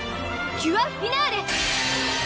キュアフィナーレ！